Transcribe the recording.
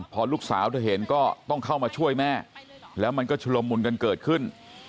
พอลูกสาวเธอเห็นก็ต้องเข้ามาช่วยแม่แล้วมันก็ชุลมุนกันเกิดขึ้น